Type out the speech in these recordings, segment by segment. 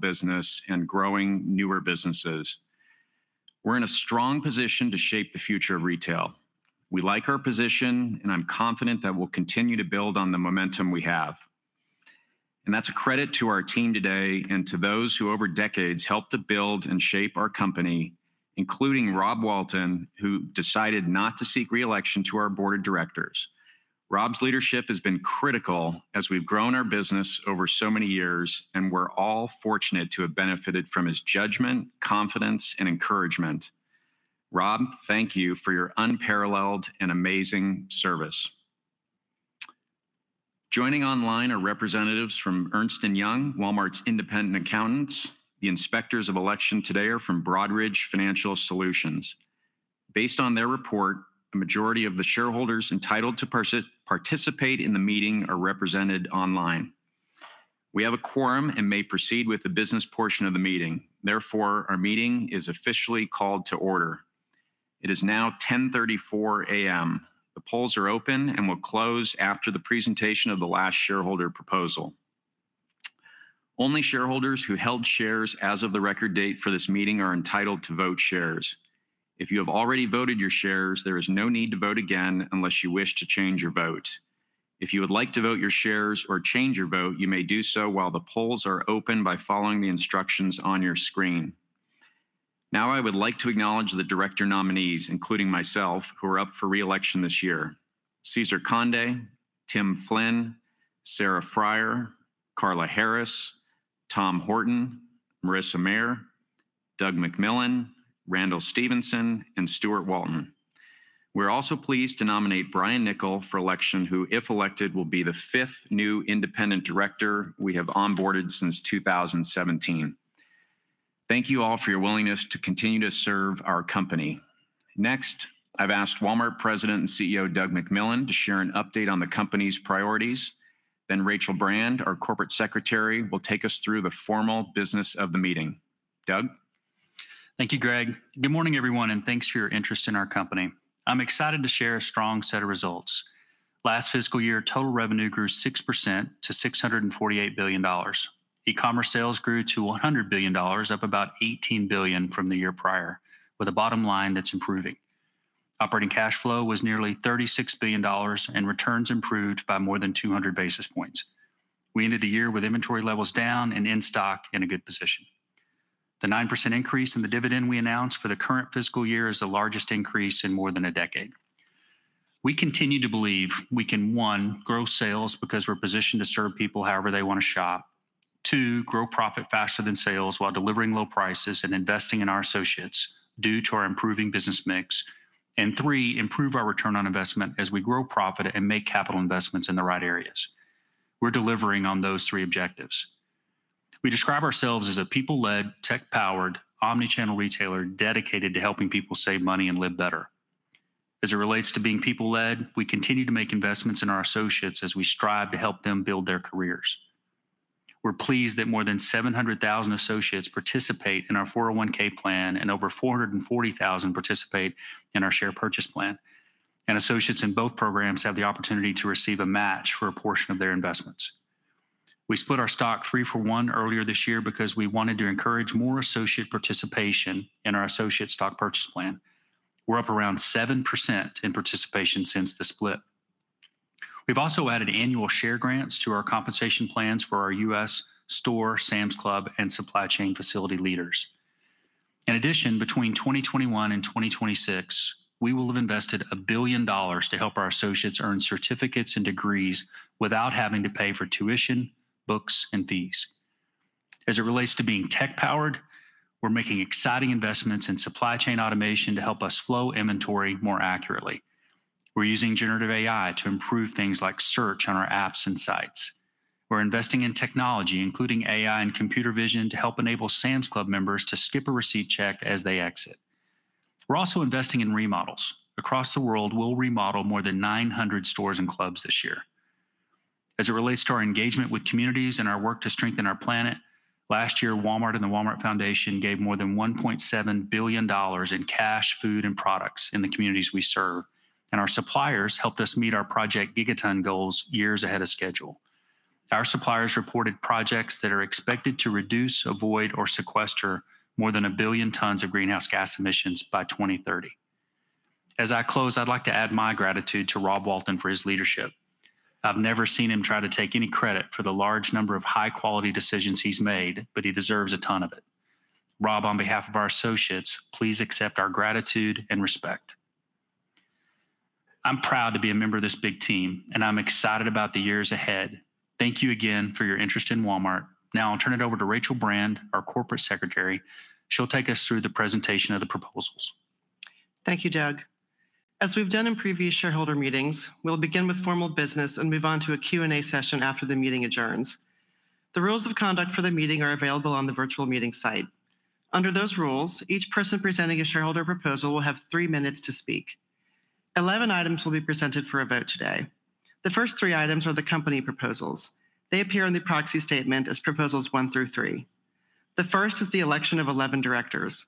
business and growing newer businesses. We're in a strong position to shape the future of retail. We like our position, and I'm confident that we'll continue to build on the momentum we have. And that's a credit to our team today and to those who, over decades, helped to build and shape our company, including Rob Walton, who decided not to seek re-election to our board of directors. Rob's leadership has been critical as we've grown our business over so many years, and we're all fortunate to have benefited from his judgment, confidence, and encouragement. Rob, thank you for your unparalleled and amazing service. Joining online are representatives from Ernst & Young, Walmart's independent accountants. The inspectors of election today are from Broadridge Financial Solutions. Based on their report, the majority of the shareholders entitled to participate in the meeting are represented online. We have a quorum and may proceed with the business portion of the meeting. Therefore, our meeting is officially called to order. It is now 10:34 A.M. The polls are open and will close after the presentation of the last shareholder proposal. Only shareholders who held shares as of the record date for this meeting are entitled to vote shares. If you have already voted your shares, there is no need to vote again unless you wish to change your vote. If you would like to vote your shares or change your vote, you may do so while the polls are open by following the instructions on your screen. Now, I would like to acknowledge the director nominees, including myself, who are up for re-election this year: César Conde, Tim Flynn, Sarah Friar, Carla A. Harris, Tom Horton, Marissa Mayer, Doug McMillon, Randall Stephenson, and Steuart Walton. We're also pleased to nominate Brian Niccol for election, who, if elected, will be the fifth new independent director we have onboarded since 2017. Thank you all for your willingness to continue to serve our company. Next, I've asked Walmart President and CEO, Doug McMillon, to share an update on the company's priorities. Then Rachel Brand, our Corporate Secretary, will take us through the formal business of the meeting. Doug? Thank you, Greg. Good morning, everyone, and thanks for your interest in our company. I'm excited to share a strong set of results. Last fiscal year, total revenue grew 6% to $648 billion. E-commerce sales grew to $100 billion, up about $18 billion from the year prior, with a bottom line that's improving. Operating cash flow was nearly $36 billion, and returns improved by more than 200 basis points. We ended the year with inventory levels down and in stock in a good position. The 9% increase in the dividend we announced for the current fiscal year is the largest increase in more than a decade. We continue to believe we can, one, grow sales because we're positioned to serve people however they want to shop. 2, grow profit faster than sales while delivering low prices and investing in our associates due to our improving business mix. 3, improve our return on investment as we grow profit and make capital investments in the right areas. We're delivering on those three objectives. We describe ourselves as a people-led, tech-powered, omnichannel retailer dedicated to helping people save money and live better. As it relates to being people-led, we continue to make investments in our associates as we strive to help them build their careers. We're pleased that more than 700,000 associates participate in our 401(k) plan, and over 440,000 participate in our share purchase plan. Associates in both programs have the opportunity to receive a match for a portion of their investments. We split our stock 3-for-1 earlier this year because we wanted to encourage more associate participation in our associate stock purchase plan. We're up around 7% in participation since the split. We've also added annual share grants to our compensation plans for our U.S. store, Sam's Club, and supply chain facility leaders. In addition, between 2021 and 2026, we will have invested $1 billion to help our associates earn certificates and degrees without having to pay for tuition, books, and fees. As it relates to being tech-powered, we're making exciting investments in supply chain automation to help us flow inventory more accurately. We're using generative AI to improve things like search on our apps and sites. We're investing in technology, including AI and computer vision, to help enable Sam's Club members to skip a receipt check as they exit. We're also investing in remodels. Across the world, we'll remodel more than 900 stores and clubs this year. As it relates to our engagement with communities and our work to strengthen our planet, last year, Walmart and the Walmart Foundation gave more than $1.7 billion in cash, food, and products in the communities we serve, and our suppliers helped us meet our Project Gigaton goals years ahead of schedule. Our suppliers reported projects that are expected to reduce, avoid, or sequester more than 1 billion tons of greenhouse gas emissions by 2030. As I close, I'd like to add my gratitude to Rob Walton for his leadership. I've never seen him try to take any credit for the large number of high-quality decisions he's made, but he deserves a ton of it. Rob, on behalf of our associates, please accept our gratitude and respect. I'm proud to be a member of this big team, and I'm excited about the years ahead. Thank you again for your interest in Walmart. Now, I'll turn it over to Rachel Brand, our Corporate Secretary. She'll take us through the presentation of the proposals. Thank you, Doug. As we've done in previous shareholder meetings, we'll begin with formal business and move on to a Q&A session after the meeting adjourns. The rules of conduct for the meeting are available on the virtual meeting site. Under those rules, each person presenting a shareholder proposal will have three minutes to speak. 11 items will be presented for a vote today. The first three items are the company proposals. They appear in the proxy statement as proposals one through three. The first is the election of 11 directors.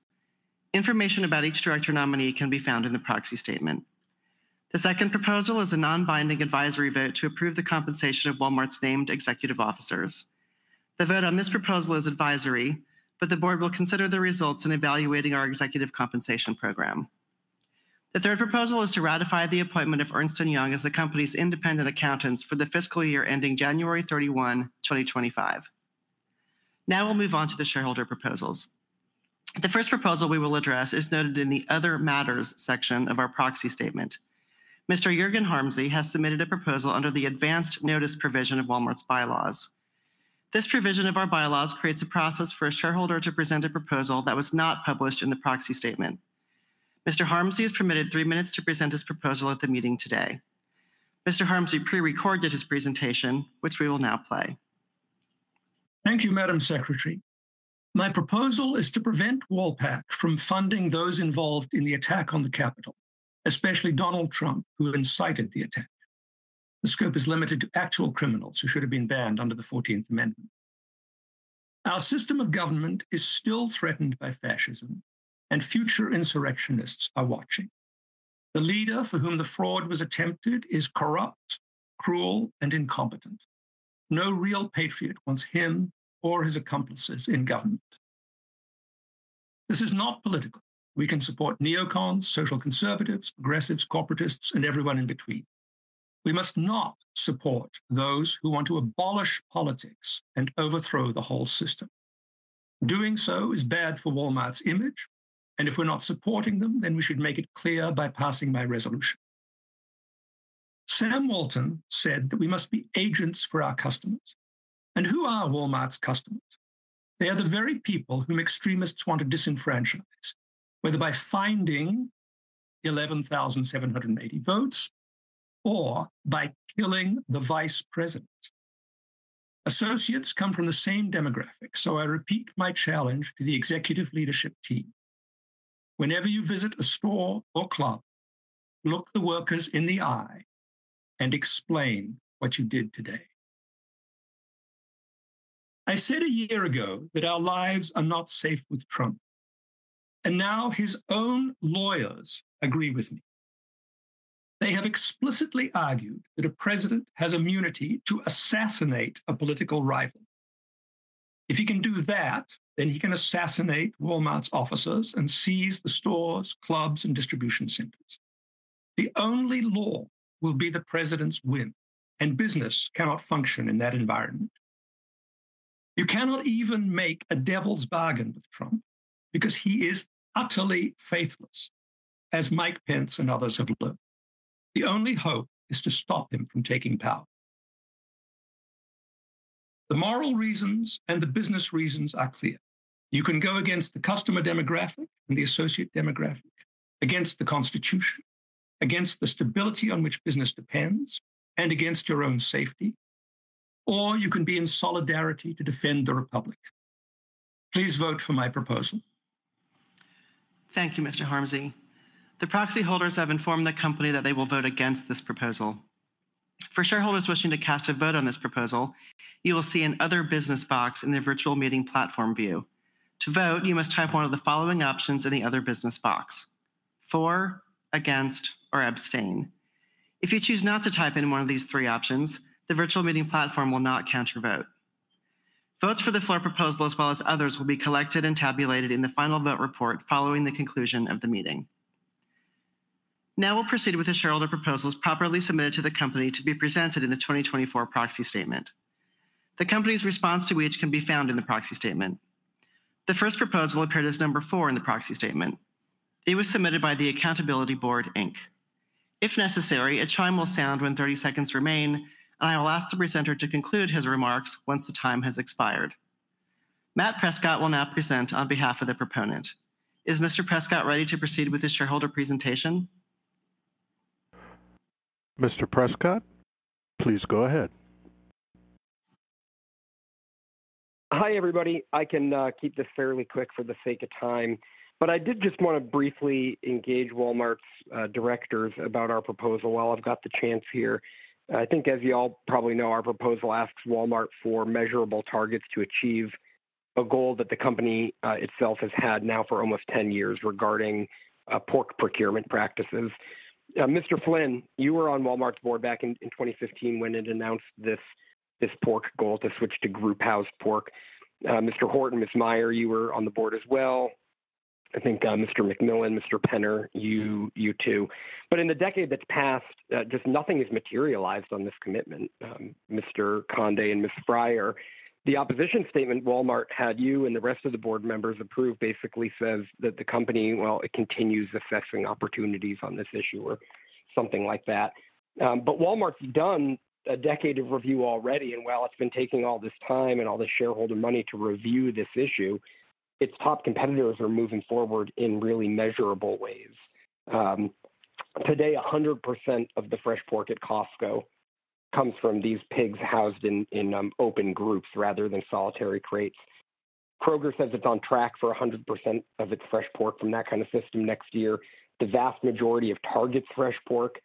Information about each director nominee can be found in the proxy statement.... The second proposal is a non-binding advisory vote to approve the compensation of Walmart's named executive officers. The vote on this proposal is advisory, but the board will consider the results in evaluating our executive compensation program. The third proposal is to ratify the appointment of Ernst & Young as the company's independent accountants for the fiscal year ending January 31, 2025. Now we'll move on to the shareholder proposals. The first proposal we will address is noted in the Other Matters section of our proxy statement. Mr. Jorgen Harmse has submitted a proposal under the advanced notice provision of Walmart's bylaws. This provision of our bylaws creates a process for a shareholder to present a proposal that was not published in the proxy statement. Mr. Harmse prerecorded his presentation, which we will now play. Thank you, Madam Secretary. My proposal is to prevent WALPAC from funding those involved in the attack on the Capitol, especially Donald Trump, who incited the attack. The scope is limited to actual criminals who should have been banned under the Fourteenth Amendment. Our system of government is still threatened by fascism, and future insurrectionists are watching. The leader for whom the fraud was attempted is corrupt, cruel, and incompetent. No real patriot wants him or his accomplices in government. This is not political. We can support neocons, social conservatives, progressives, corporatists, and everyone in between. We must not support those who want to abolish politics and overthrow the whole system. Doing so is bad for Walmart's image, and if we're not supporting them, then we should make it clear by passing my resolution. Sam Walton said that we must be agents for our customers. And who are Walmart's customers? They are the very people whom extremists want to disenfranchise, whether by finding 11,780 votes or by killing the vice president. Associates come from the same demographic, so I repeat my challenge to the executive leadership team: whenever you visit a store or club, look the workers in the eye and explain what you did today. I said a year ago that our lives are not safe with Trump, and now his own lawyers agree with me. They have explicitly argued that a president has immunity to assassinate a political rival. If he can do that, then he can assassinate Walmart's officers and seize the stores, clubs, and distribution centers. The only law will be the president's whim, and business cannot function in that environment. You cannot even make a devil's bargain with Trump because he is utterly faithless, as Mike Pence and others have learned. The only hope is to stop him from taking power. The moral reasons and the business reasons are clear. You can go against the customer demographic and the associate demographic, against the Constitution, against the stability on which business depends, and against your own safety, or you can be in solidarity to defend the Republic. Please vote for my proposal. Thank you, Mr. Harmse. The proxy holders have informed the company that they will vote against this proposal. For shareholders wishing to cast a vote on this proposal, you will see an Other Business box in the virtual meeting platform view. To vote, you must type one of the following options in the Other Business box: for, against, or abstain. If you choose not to type in one of these three options, the virtual meeting platform will not count your vote. Votes for the floor proposal, as well as others, will be collected and tabulated in the final vote report following the conclusion of the meeting. Now we'll proceed with the shareholder proposals properly submitted to the company to be presented in the 2024 proxy statement, the company's response to which can be found in the proxy statement. The first proposal appeared as number 4 in the proxy statement. It was submitted by The Accountability Board, Inc. If necessary, a chime will sound when 30 seconds remain, and I will ask the presenter to conclude his remarks once the time has expired. Matt Prescott will now present on behalf of the proponent. Is Mr. Prescott ready to proceed with his shareholder presentation? Mr. Prescott, please go ahead. Hi, everybody. I can keep this fairly quick for the sake of time, but I did just want to briefly engage Walmart's directors about our proposal while I've got the chance here. I think as you all probably know, our proposal asks Walmart for measurable targets to achieve a goal that the company itself has had now for almost 10 years regarding pork procurement practices. Mr. Flynn, you were on Walmart's board back in 2015 when it announced this pork goal to switch to group housed pork. Mr. Horton, Ms. Mayer, you were on the board as well. I think Mr. McMillon, Mr. Penner, you too. But in the decade that's passed, just nothing has materialized on this commitment. Mr. Conde and Ms. Fryar, the opposition statement Walmart had you and the rest of the board members approve basically says that the company, well, it continues assessing opportunities on this issue or something like that. But Walmart's done a decade of review already, and while it's been taking all this time and all this shareholder money to review this issue, its top competitors are moving forward in really measurable ways. Today, 100% of the fresh pork at Costco comes from these pigs housed in open groups rather than solitary crates. Kroger says it's on track for 100% of its fresh pork from that kind of system next year. The vast majority of Target's fresh pork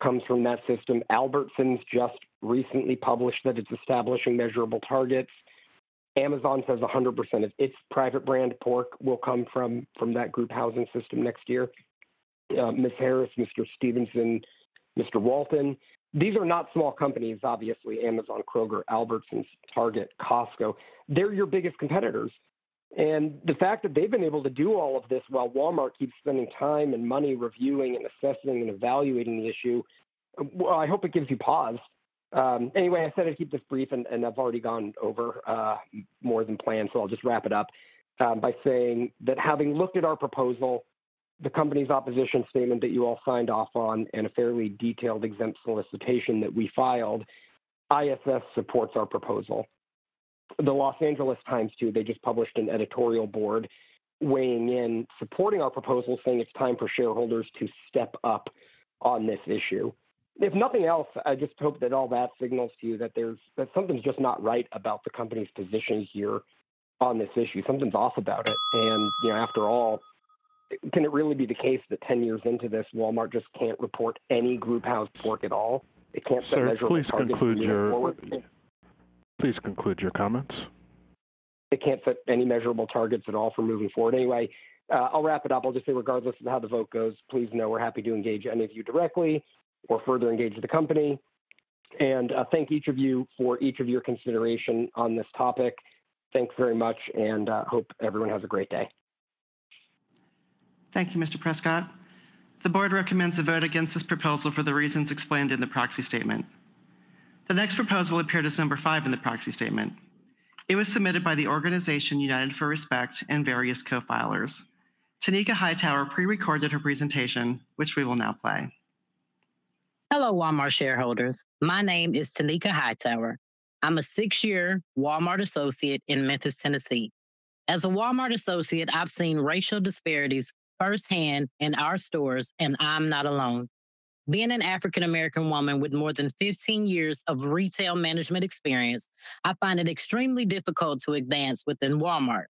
comes from that system. Albertsons just recently published that it's establishing measurable targets.... Amazon says 100% of its private brand pork will come from, from that group housing system next year. Ms. Harris, Mr. Stephenson, Mr. Walton, these are not small companies, obviously, Amazon, Kroger, Albertsons, Target, Costco, they're your biggest competitors. The fact that they've been able to do all of this while Walmart keeps spending time and money reviewing, and assessing, and evaluating the issue, well, I hope it gives you pause. Anyway, I said I'd keep this brief, and, and I've already gone over, more than planned, so I'll just wrap it up, by saying that having looked at our proposal, the company's opposition statement that you all signed off on, and a fairly detailed exempt solicitation that we filed, ISS supports our proposal. The Los Angeles Times, too, they just published an editorial board weighing in, supporting our proposal, saying it's time for shareholders to step up on this issue. If nothing else, I just hope that all that signals to you that there's, that something's just not right about the company's position here on this issue. Something's off about it. And, you know, after all, can it really be the case that 10 years into this, Walmart just can't report any group housed pork at all? It can't set measurable targets- Sir, please conclude your- moving forward? Please conclude your comments. It can't set any measurable targets at all for moving forward. Anyway, I'll wrap it up. I'll just say, regardless of how the vote goes, please know we're happy to engage any of you directly or further engage with the company, and thank each of you for each of your consideration on this topic. Thanks very much, and hope everyone has a great day. Thank you, Mr. Prescott. The board recommends a vote against this proposal for the reasons explained in the proxy statement. The next proposal appeared as number 5 in the proxy statement. It was submitted by the organization United for Respect and various co-filers. Taneka Hightower pre-recorded her presentation, which we will now play. Hello, Walmart shareholders. My name is Taneka Hightower. I'm a 6-year Walmart associate in Memphis, Tennessee. As a Walmart associate, I've seen racial disparities firsthand in our stores, and I'm not alone. Being an African American woman with more than 15 years of retail management experience, I find it extremely difficult to advance within Walmart.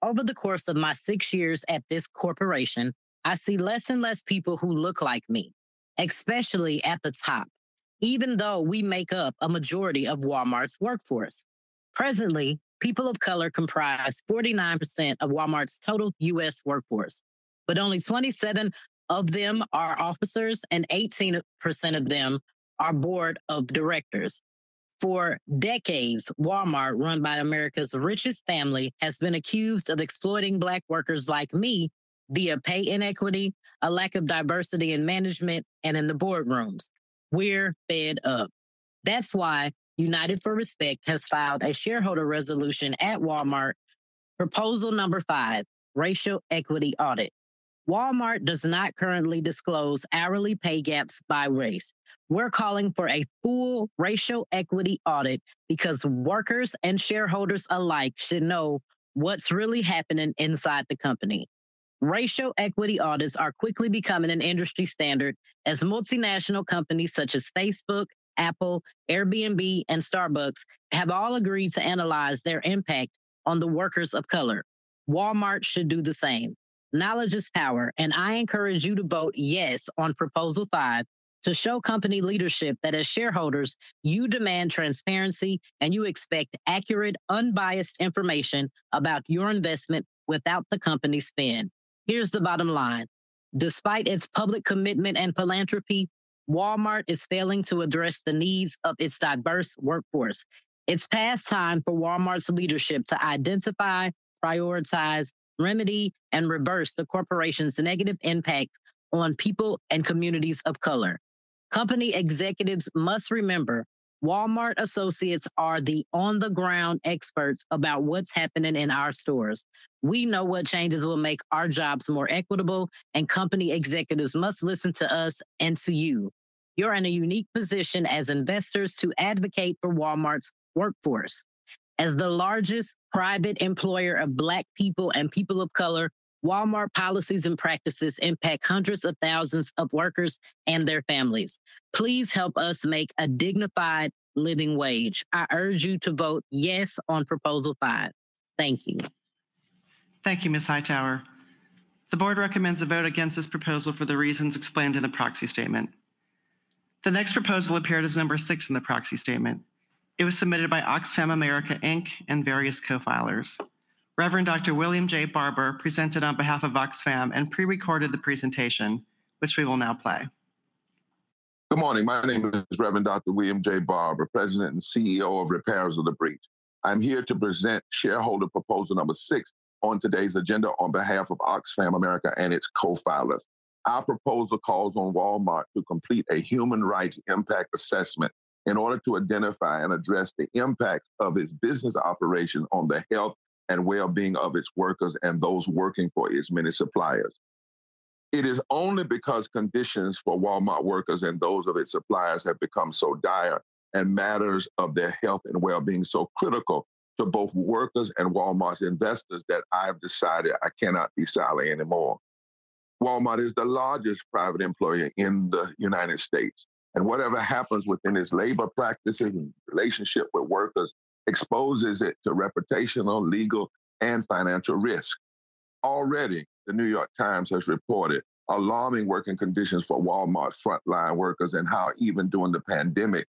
Over the course of my 6 years at this corporation, I see less and less people who look like me, especially at the top, even though we make up a majority of Walmart's workforce. Presently, people of color comprise 49% of Walmart's total U.S. workforce, but only 27% of them are officers, and 18% of them are board of directors. For decades, Walmart, run by America's richest family, has been accused of exploiting Black workers like me via pay inequity, a lack of diversity in management, and in the boardrooms. We're fed up. That's why United for Respect has filed a shareholder resolution at Walmart, proposal number 5, racial equity audit. Walmart does not currently disclose hourly pay gaps by race. We're calling for a full racial equity audit because workers and shareholders alike should know what's really happening inside the company. Racial equity audits are quickly becoming an industry standard, as multinational companies such as Facebook, Apple, Airbnb, and Starbucks have all agreed to analyze their impact on the workers of color. Walmart should do the same. Knowledge is power, and I encourage you to vote yes on proposal 5 to show company leadership that as shareholders, you demand transparency, and you expect accurate, unbiased information about your investment without the company spin. Here's the bottom line: Despite its public commitment and philanthropy, Walmart is failing to address the needs of its diverse workforce. It's past time for Walmart's leadership to identify, prioritize, remedy, and reverse the corporation's negative impact on people and communities of color. Company executives must remember, Walmart associates are the on-the-ground experts about what's happening in our stores. We know what changes will make our jobs more equitable, and company executives must listen to us and to you. You're in a unique position as investors to advocate for Walmart's workforce. As the largest private employer of Black people and people of color, Walmart policies and practices impact hundreds of thousands of workers and their families. Please help us make a dignified living wage. I urge you to vote yes on proposal five. Thank you. Thank you, Ms. Hightower. The board recommends a vote against this proposal for the reasons explained in the proxy statement. The next proposal appeared as number six in the proxy statement. It was submitted by Oxfam America, Inc., and various co-filers. Reverend Dr. William J. Barber presented on behalf of Oxfam and pre-recorded the presentation, which we will now play. Good morning. My name is Reverend Dr. William J. Barber, President and CEO of Repairers of the Breach. I'm here to present shareholder proposal number 6 on today's agenda on behalf of Oxfam America and its co-filers. Our proposal calls on Walmart to complete a human rights impact assessment in order to identify and address the impacts of its business operation on the health and well-being of its workers and those working for its many suppliers. It is only because conditions for Walmart workers and those of its suppliers have become so dire and matters of their health and well-being so critical to both workers and Walmart's investors, that I've decided I cannot be silent anymore. Walmart is the largest private employer in the United States, and whatever happens within its labor practices and relationship with workers exposes it to reputational, legal, and financial risk.... Already, The New York Times has reported alarming working conditions for Walmart frontline workers and how even during the pandemic,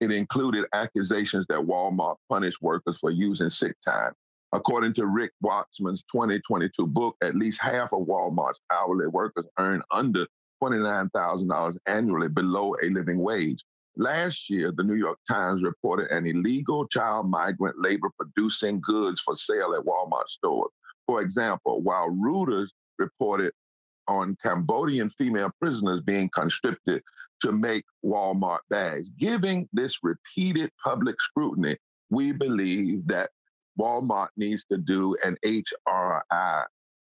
it included accusations that Walmart punished workers for using sick time. According to Rick Wartzman's 2022 book, at least half of Walmart's hourly workers earn under $29,000 annually, below a living wage. Last year, The New York Times reported an illegal child migrant labor producing goods for sale at Walmart stores. For example, while Reuters reported on Cambodian female prisoners being conscripted to make Walmart bags. Giving this repeated public scrutiny, we believe that Walmart needs to do an HRI.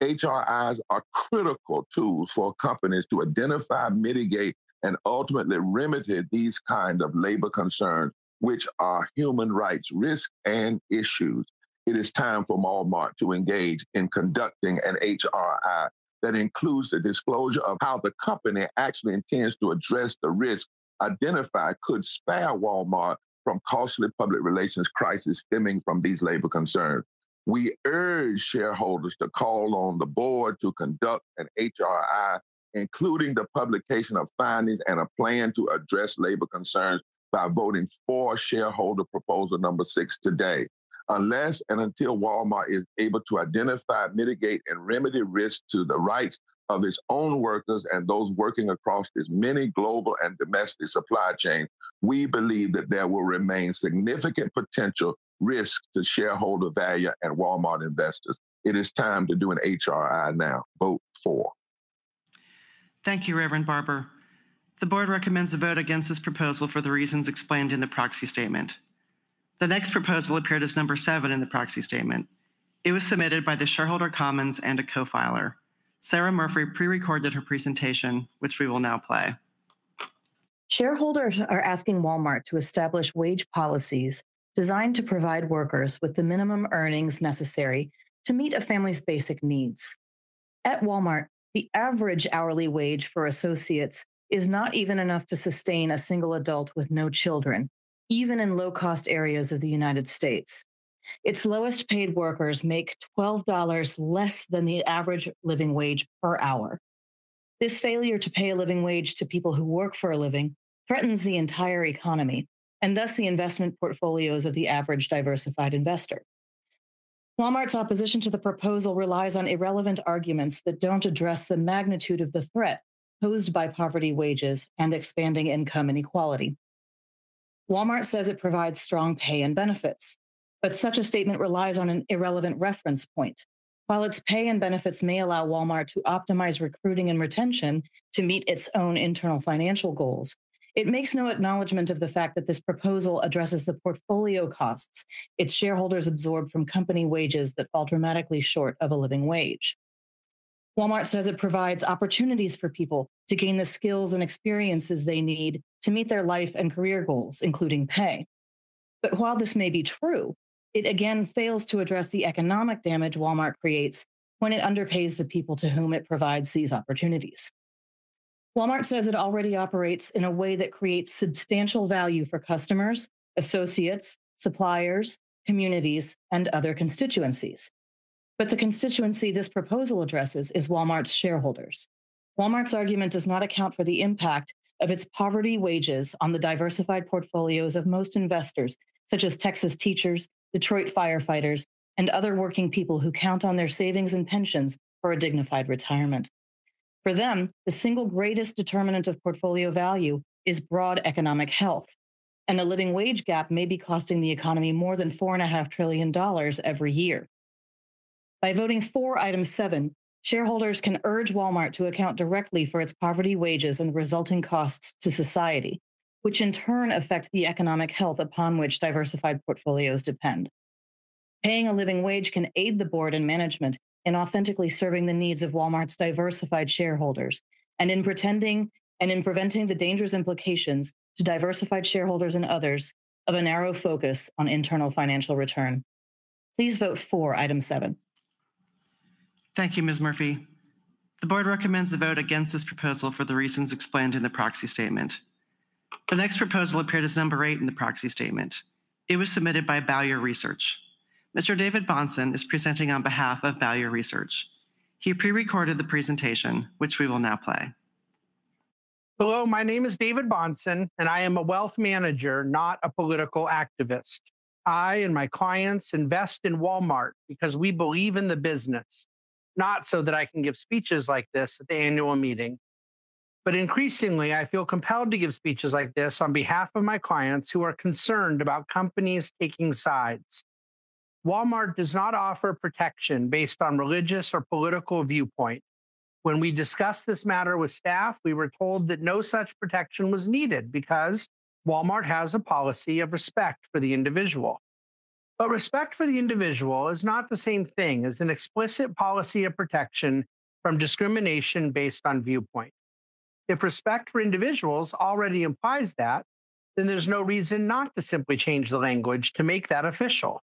HRIs are critical tools for companies to identify, mitigate, and ultimately remedy these kind of labor concerns, which are human rights risks and issues. It is time for Walmart to engage in conducting an HRI that includes the disclosure of how the company actually intends to address the risks identified, could spare Walmart from costly public relations crisis stemming from these labor concerns. We urge shareholders to call on the board to conduct an HRI, including the publication of findings and a plan to address labor concerns by voting for shareholder proposal number 6 today. Unless and until Walmart is able to identify, mitigate, and remedy risks to the rights of its own workers and those working across this many global and domestic supply chain, we believe that there will remain significant potential risk to shareholder value and Walmart investors. It is time to do an HRI now. Vote for. Thank you, Reverend Barber. The board recommends a vote against this proposal for the reasons explained in the proxy statement. The next proposal appeared as number seven in the proxy statement. It was submitted by The Shareholder Commons and a co-filer. Sarah Murphy pre-recorded her presentation, which we will now play. Shareholders are asking Walmart to establish wage policies designed to provide workers with the minimum earnings necessary to meet a family's basic needs. At Walmart, the average hourly wage for associates is not even enough to sustain a single adult with no children, even in low-cost areas of the United States. Its lowest-paid workers make $12 less than the average living wage per hour. This failure to pay a living wage to people who work for a living threatens the entire economy, and thus the investment portfolios of the average diversified investor. Walmart's opposition to the proposal relies on irrelevant arguments that don't address the magnitude of the threat posed by poverty wages and expanding income inequality. Walmart says it provides strong pay and benefits, but such a statement relies on an irrelevant reference point. While its pay and benefits may allow Walmart to optimize recruiting and retention to meet its own internal financial goals, it makes no acknowledgment of the fact that this proposal addresses the portfolio costs its shareholders absorb from company wages that fall dramatically short of a living wage. Walmart says it provides opportunities for people to gain the skills and experiences they need to meet their life and career goals, including pay. But while this may be true, it again fails to address the economic damage Walmart creates when it underpays the people to whom it provides these opportunities. Walmart says it already operates in a way that creates substantial value for customers, associates, suppliers, communities, and other constituencies. But the constituency this proposal addresses is Walmart's shareholders. Walmart's argument does not account for the impact of its poverty wages on the diversified portfolios of most investors, such as Texas teachers, Detroit firefighters, and other working people who count on their savings and pensions for a dignified retirement. For them, the single greatest determinant of portfolio value is broad economic health, and the living wage gap may be costing the economy more than $4.5 trillion every year. By voting for item seven, shareholders can urge Walmart to account directly for its poverty wages and resulting costs to society, which in turn affect the economic health upon which diversified portfolios depend. Paying a living wage can aid the board and management in authentically serving the needs of Walmart's diversified shareholders, and in preventing the dangerous implications to diversified shareholders and others of a narrow focus on internal financial return. Please vote for item 7. Thank you, Ms. Murphy. The board recommends the vote against this proposal for the reasons explained in the proxy statement. The next proposal appeared as number eight in the proxy statement. It was submitted by Value Research. Mr. David Bahnsen is presenting on behalf of Value Research. He pre-recorded the presentation, which we will now play. Hello, my name is David Bahnsen, and I am a wealth manager, not a political activist. I and my clients invest in Walmart because we believe in the business, not so that I can give speeches like this at the annual meeting. But increasingly, I feel compelled to give speeches like this on behalf of my clients who are concerned about companies taking sides. Walmart does not offer protection based on religious or political viewpoint. When we discussed this matter with staff, we were told that no such protection was needed because Walmart has a policy of respect for the individual. But respect for the individual is not the same thing as an explicit policy of protection from discrimination based on viewpoint. If respect for individuals already implies that, then there's no reason not to simply change the language to make that official.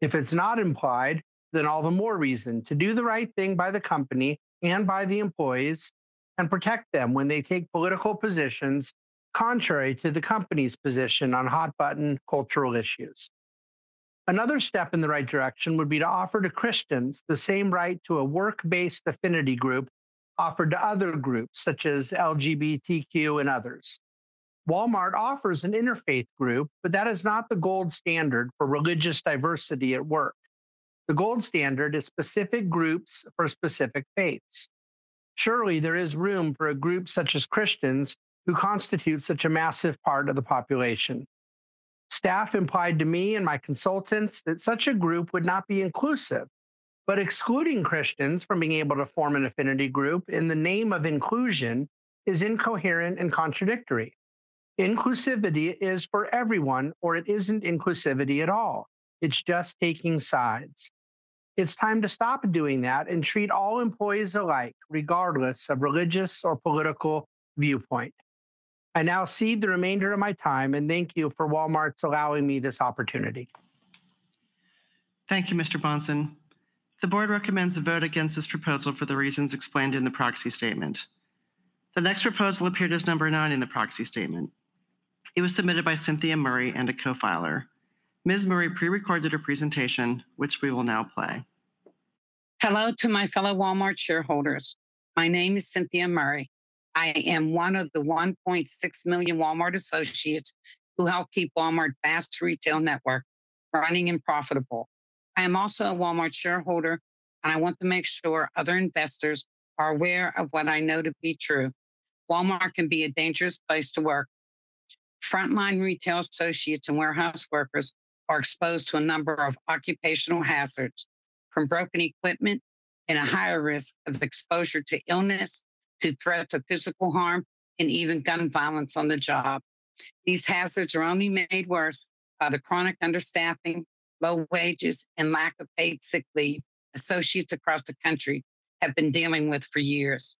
If it's not implied, then all the more reason to do the right thing by the company and by the employees and protect them when they take political positions contrary to the company's position on hot-button cultural issues. Another step in the right direction would be to offer to Christians the same right to a work-based affinity group offered to other groups, such as LGBTQ and others. Walmart offers an interfaith group, but that is not the gold standard for religious diversity at work. The gold standard is specific groups for specific faiths. Surely, there is room for a group such as Christians, who constitute such a massive part of the population. Staff implied to me and my consultants that such a group would not be inclusive, but excluding Christians from being able to form an affinity group in the name of inclusion is incoherent and contradictory. Inclusivity is for everyone, or it isn't inclusivity at all. It's just taking sides. It's time to stop doing that and treat all employees alike, regardless of religious or political viewpoint. I now cede the remainder of my time, and thank you for Walmart's allowing me this opportunity. Thank you, Mr. Bahnsen. The board recommends a vote against this proposal for the reasons explained in the proxy statement. The next proposal appeared as number 9 in the proxy statement. It was submitted by Cynthia Murray and a co-filer. Ms. Murray pre-recorded her presentation, which we will now play. Hello to my fellow Walmart shareholders. My name is Cynthia Murray. I am one of the 1.6 million Walmart associates who help keep Walmart's vast retail network running and profitable. I am also a Walmart shareholder, and I want to make sure other investors are aware of what I know to be true. Walmart can be a dangerous place to work. Frontline retail associates and warehouse workers are exposed to a number of occupational hazards, from broken equipment and a higher risk of exposure to illness, to threats of physical harm, and even gun violence on the job. These hazards are only made worse by the chronic understaffing, low wages, and lack of paid sick leave associates across the country have been dealing with for years.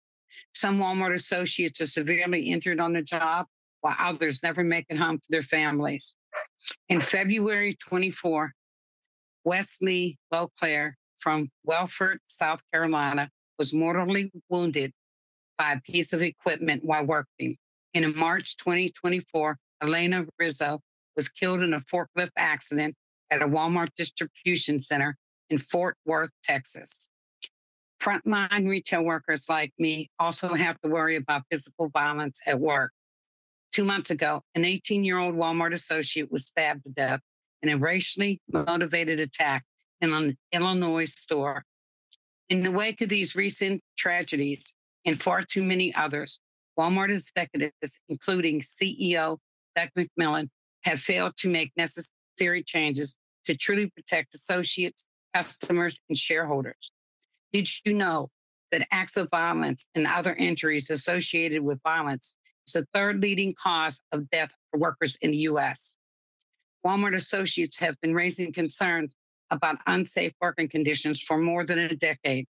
Some Walmart associates are severely injured on the job, while others never make it home to their families. In February 2024, Wesley Beaucage from Wellford, South Carolina, was mortally wounded by a piece of equipment while working. In March 2024, Elena Rios was killed in a forklift accident at a Walmart distribution center in Fort Worth, Texas. Frontline retail workers like me also have to worry about physical violence at work. Two months ago, an 18-year-old Walmart associate was stabbed to death in a racially motivated attack in an Illinois store. In the wake of these recent tragedies and far too many others, Walmart executives, including CEO Doug McMillon, have failed to make necessary changes to truly protect associates, customers, and shareholders. Did you know that acts of violence and other injuries associated with violence is the third leading cause of death for workers in the U.S.? Walmart associates have been raising concerns about unsafe working conditions for more than a decade,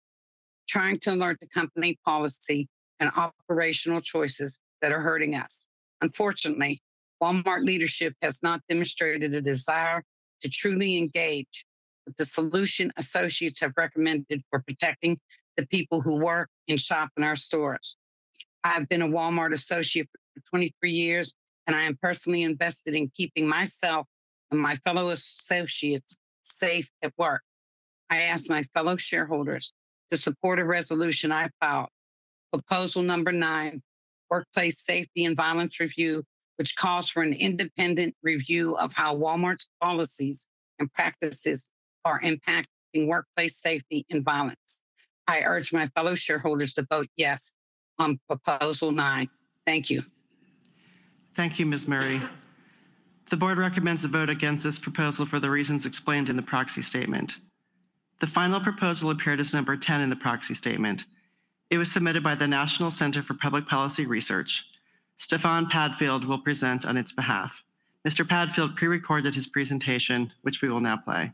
trying to alert the company policy and operational choices that are hurting us. Unfortunately, Walmart leadership has not demonstrated a desire to truly engage with the solution associates have recommended for protecting the people who work and shop in our stores. I've been a Walmart associate for 23 years, and I am personally invested in keeping myself and my fellow associates safe at work. I ask my fellow shareholders to support a resolution I filed, proposal number 9, Workplace Safety and Violence Review, which calls for an independent review of how Walmart's policies and practices are impacting workplace safety and violence. I urge my fellow shareholders to vote yes on proposal 9. Thank you. Thank you, Ms. Murray. The board recommends a vote against this proposal for the reasons explained in the proxy statement. The final proposal appeared as number 10 in the proxy statement. It was submitted by the National Center for Public Policy Research. Stefan Padfield will present on its behalf. Mr. Padfield pre-recorded his presentation, which we will now play.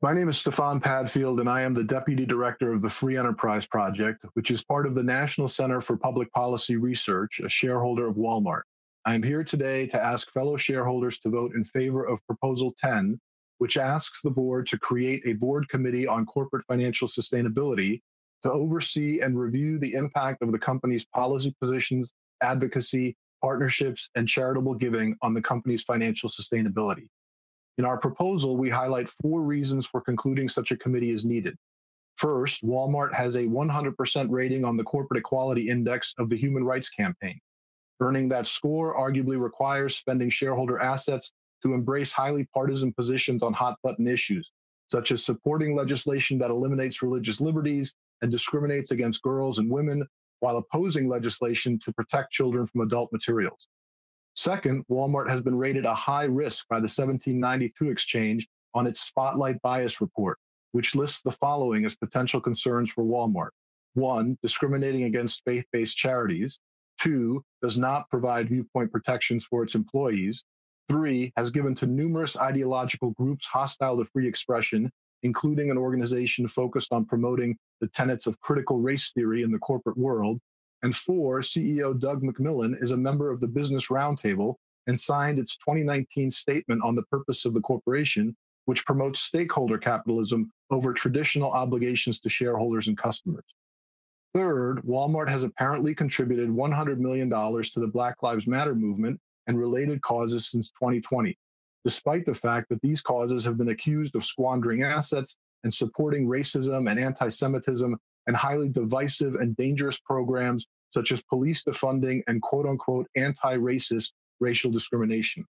My name is Stefan Padfield, and I am the Deputy Director of the Free Enterprise Project, which is part of the National Center for Public Policy Research, a shareholder of Walmart. I'm here today to ask fellow shareholders to vote in favor of Proposal Ten, which asks the board to create a board committee on corporate financial sustainability to oversee and review the impact of the company's policy positions, advocacy, partnerships, and charitable giving on the company's financial sustainability. In our proposal, we highlight four reasons for concluding such a committee is needed. First, Walmart has a 100% rating on the Corporate Equality Index of the Human Rights Campaign. Earning that score arguably requires spending shareholder assets to embrace highly partisan positions on hot-button issues, such as supporting legislation that eliminates religious liberties and discriminates against girls and women, while opposing legislation to protect children from adult materials. Second, Walmart has been rated a high risk by the 1792 Exchange on its Spotlight Bias Report, which lists the following as potential concerns for Walmart: one, discriminating against faith-based charities; two, does not provide viewpoint protections for its employees; three, has given to numerous ideological groups hostile to free expression, including an organization focused on promoting the tenets of critical race theory in the corporate world; and four, CEO Doug McMillon is a member of the Business Roundtable and signed its 2019 statement on the purpose of the corporation, which promotes stakeholder capitalism over traditional obligations to shareholders and customers. Third, Walmart has apparently contributed $100 million to the Black Lives Matter movement and related causes since 2020, despite the fact that these causes have been accused of squandering assets and supporting racism and antisemitism, and highly divisive and dangerous programs such as police defunding and quote, unquote, "anti-racist racial discrimination."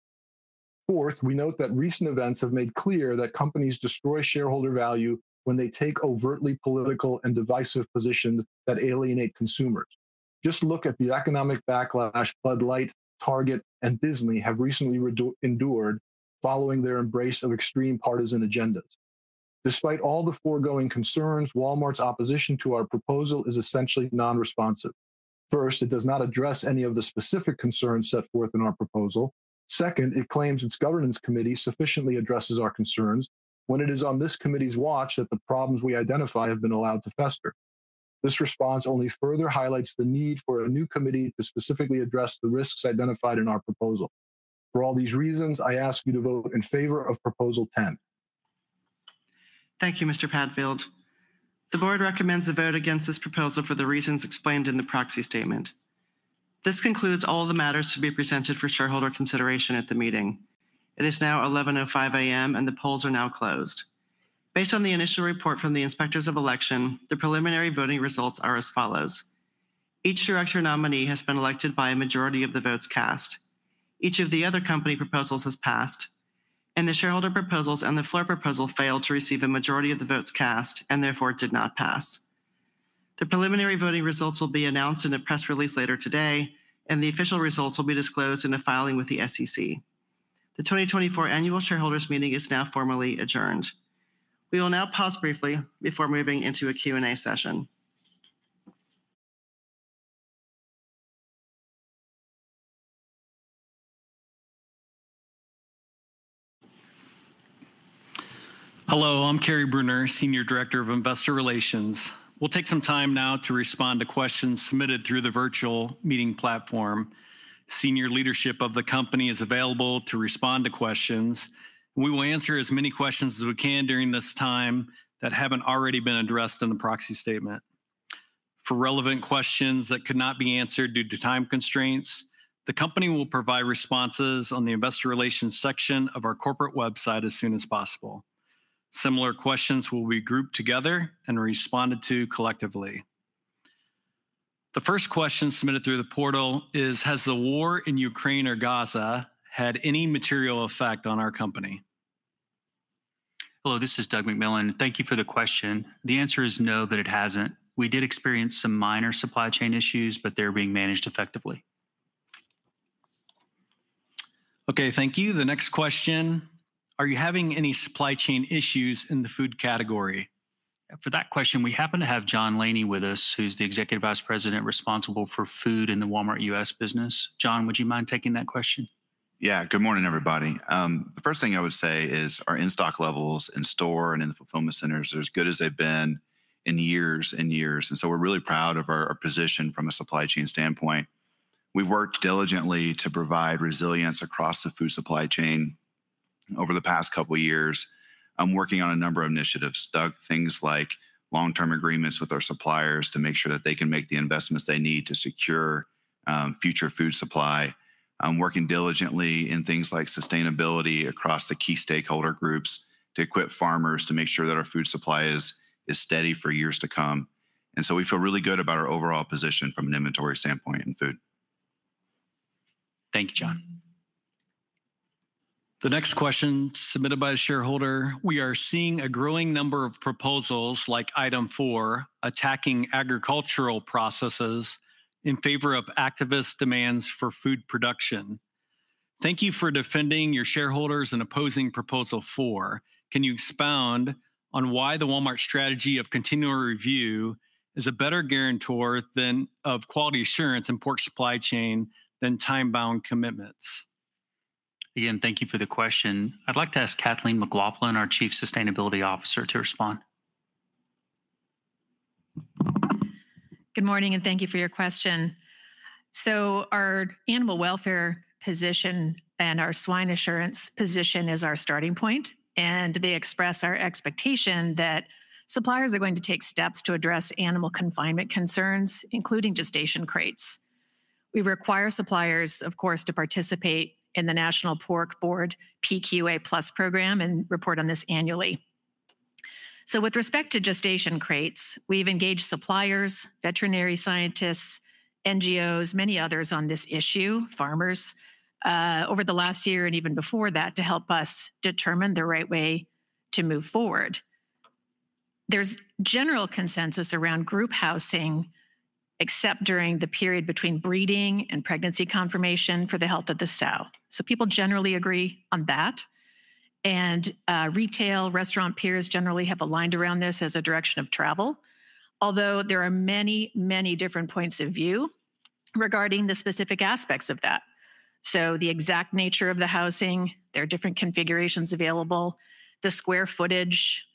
Fourth, we note that recent events have made clear that companies destroy shareholder value when they take overtly political and divisive positions that alienate consumers. Just look at the economic backlash Bud Light, Target, and Disney have recently endured following their embrace of extreme partisan agendas. Despite all the foregoing concerns, Walmart's opposition to our proposal is essentially non-responsive. First, it does not address any of the specific concerns set forth in our proposal. Second, it claims its governance committee sufficiently addresses our concerns when it is on this committee's watch that the problems we identify have been allowed to fester. This response only further highlights the need for a new committee to specifically address the risks identified in our proposal. For all these reasons, I ask you to vote in favor of Proposal Ten. Thank you, Mr. Padfield. The board recommends a vote against this proposal for the reasons explained in the proxy statement. This concludes all the matters to be presented for shareholder consideration at the meeting. It is now 11:05 A.M., and the polls are now closed. Based on the initial report from the Inspectors of Election, the preliminary voting results are as follows: Each director nominee has been elected by a majority of the votes cast. Each of the other company proposals has passed, and the shareholder proposals and the floor proposal failed to receive a majority of the votes cast and therefore did not pass. The preliminary voting results will be announced in a press release later today, and the official results will be disclosed in a filing with the SEC. The 2024 Annual Shareholders Meeting is now formally adjourned. We will now pause briefly before moving into a Q&A session. Hello, I'm Kary Brunner, Senior Director of Investor Relations. We'll take some time now to respond to questions submitted through the virtual meeting platform. Senior leadership of the company is available to respond to questions. We will answer as many questions as we can during this time that haven't already been addressed in the proxy statement. For relevant questions that could not be answered due to time constraints, the company will provide responses on the Investor Relations section of our corporate website as soon as possible. Similar questions will be grouped together and responded to collectively. The first question submitted through the portal is: Has the war in Ukraine or Gaza had any material effect on our company? Hello, this is Doug McMillon. Thank you for the question. The answer is no, that it hasn't. We did experience some minor supply chain issues, but they're being managed effectively. Okay, thank you. The next question: Are you having any supply chain issues in the food category? For that question, we happen to have John Laney with us, who's the Executive Vice President responsible for food in the Walmart U.S. business. John, would you mind taking that question? Yeah. Good morning, everybody. The first thing I would say is, our in-stock levels in store and in the fulfillment centers are as good as they've been in years and years, and so we're really proud of our, our position from a supply chain standpoint. We've worked diligently to provide resilience across the food supply chain over the past couple of years. I'm working on a number of initiatives, Doug, things like long-term agreements with our suppliers to make sure that they can make the investments they need to secure future food supply. I'm working diligently in things like sustainability across the key stakeholder groups to equip farmers to make sure that our food supply is, is steady for years to come. And so we feel really good about our overall position from an inventory standpoint in food. Thank you, John. The next question submitted by a shareholder: We are seeing a growing number of proposals, like Item Four, attacking agricultural processes in favor of activist demands for food production. Thank you for defending your shareholders and opposing Proposal Four. Can you expound on why the Walmart strategy of continual review is a better guarantor of quality assurance and pork supply chain than time-bound commitments? Again, thank you for the question. I'd like to ask Kathleen McLaughlin, our Chief Sustainability Officer, to respond. Good morning, and thank you for your question. So our animal welfare position and our swine assurance position is our starting point, and they express our expectation that suppliers are going to take steps to address animal confinement concerns, including gestation crates. We require suppliers, of course, to participate in the National Pork Board PQA Plus program and report on this annually. So with respect to gestation crates, we've engaged suppliers, veterinary scientists, NGOs, many others on this issue, farmers, over the last year and even before that, to help us determine the right way to move forward. There's general consensus around group housing, except during the period between breeding and pregnancy confirmation for the health of the sow. So people generally agree on that, and, retail, restaurant peers generally have aligned around this as a direction of travel. Although there are many, many different points of view regarding the specific aspects of that. So the exact nature of the housing, there are different configurations available, the square footage,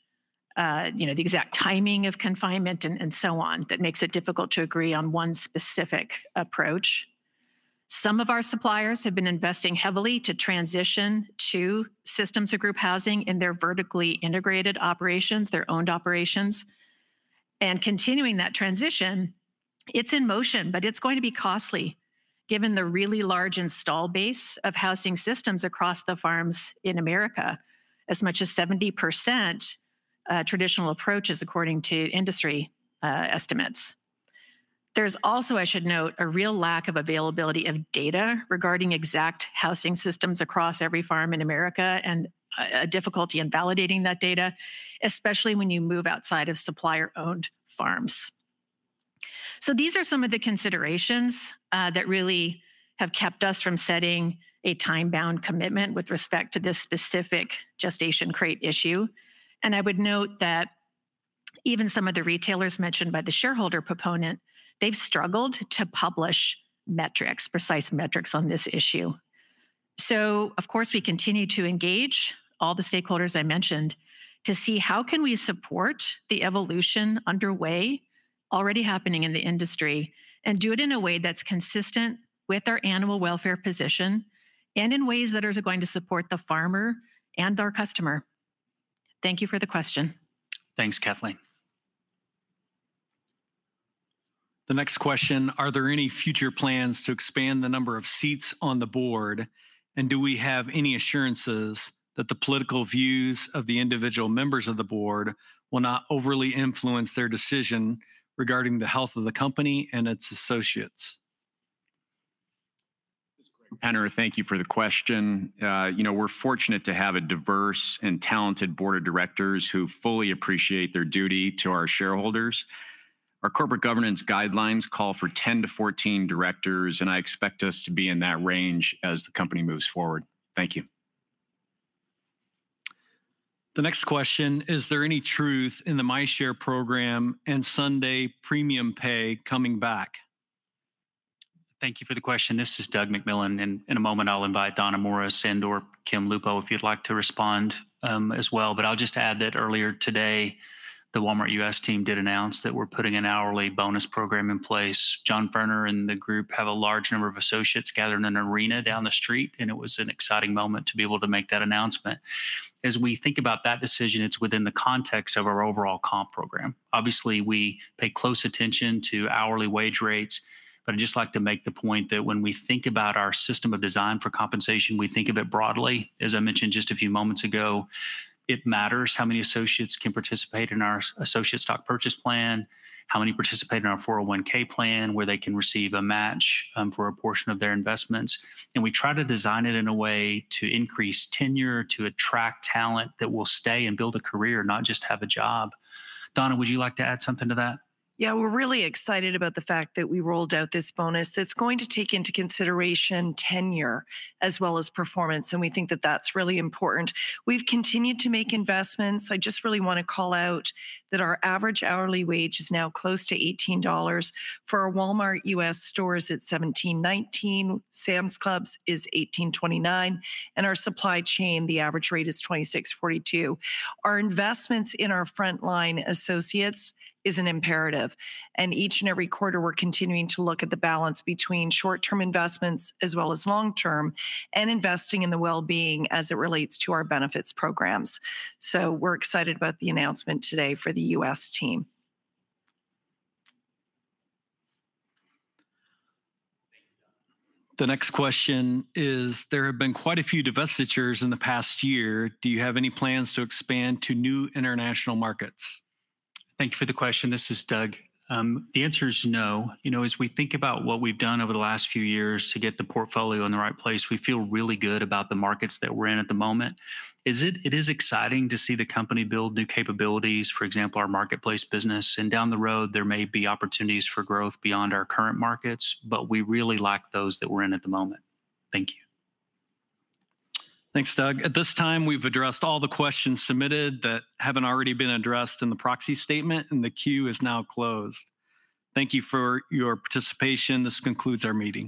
you know, the exact timing of confinement and so on, that makes it difficult to agree on one specific approach. Some of our suppliers have been investing heavily to transition to systems of group housing in their vertically integrated operations, their owned operations. Continuing that transition, it's in motion, but it's going to be costly, given the really large install base of housing systems across the farms in America. As much as 70% traditional approaches, according to industry estimates. There's also, I should note, a real lack of availability of data regarding exact housing systems across every farm in America, and a difficulty in validating that data, especially when you move outside of supplier-owned farms. So these are some of the considerations that really have kept us from setting a time-bound commitment with respect to this specific gestation crate issue. And I would note that even some of the retailers mentioned by the shareholder proponent, they've struggled to publish metrics, precise metrics on this issue. So of course, we continue to engage all the stakeholders I mentioned, to see how can we support the evolution underway, already happening in the industry, and do it in a way that's consistent with our animal welfare position, and in ways that are going to support the farmer and our customer. Thank you for the question. Thanks, Kathleen. The next question: Are there any future plans to expand the number of seats on the board? And do we have any assurances that the political views of the individual members of the board will not overly influence their decision regarding the health of the company and its associates?... Thank you for the question. You know, we're fortunate to have a diverse and talented board of directors who fully appreciate their duty to our shareholders. Our corporate governance guidelines call for 10-14 directors, and I expect us to be in that range as the company moves forward. Thank you. The next question: Is there any truth in the MyShare program and Sunday premium pay coming back? Thank you for the question. This is Doug McMillon, and in a moment, I'll invite Donna Morris and, or Kim Lupo, if you'd like to respond, as well. But I'll just add that earlier today, the Walmart U.S. team did announce that we're putting an hourly bonus program in place. John Furner and the group have a large number of associates gathered in an arena down the street, and it was an exciting moment to be able to make that announcement. As we think about that decision, it's within the context of our overall comp program. Obviously, we pay close attention to hourly wage rates, but I'd just like to make the point that when we think about our system of design for compensation, we think of it broadly. As I mentioned just a few moments ago, it matters how many associates can participate in our Associate Stock Purchase Plan, how many participate in our 401 plan, where they can receive a match for a portion of their investments. We try to design it in a way to increase tenure, to attract talent that will stay and build a career, not just have a job. Donna, would you like to add something to that? Yeah, we're really excited about the fact that we rolled out this bonus. It's going to take into consideration tenure as well as performance, and we think that that's really important. We've continued to make investments. I just really want to call out that our average hourly wage is now close to $18. For our Walmart U.S. stores, it's $17.19, Sam's Club is $18.29, and our supply chain, the average rate is $26.42. Our investments in our frontline associates is an imperative, and each and every quarter, we're continuing to look at the balance between short-term investments as well as long-term, and investing in the well-being as it relates to our benefits programs. So we're excited about the announcement today for the U.S. team. The next question is: There have been quite a few divestitures in the past year. Do you have any plans to expand to new international markets? Thank you for the question. This is Doug. The answer is no. You know, as we think about what we've done over the last few years to get the portfolio in the right place, we feel really good about the markets that we're in at the moment. It is exciting to see the company build new capabilities, for example, our marketplace business, and down the road, there may be opportunities for growth beyond our current markets, but we really like those that we're in at the moment. Thank you. Thanks, Doug. At this time, we've addressed all the questions submitted that haven't already been addressed in the proxy statement, and the queue is now closed. Thank you for your participation. This concludes our meeting.